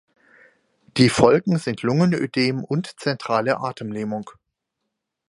Die Folgen sind Lungenödem und zentrale Atemlähmung.